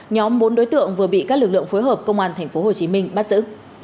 nhóm bốn đối tượng vừa bị các lực lượng phối hợp công an tp hcm bắt giữ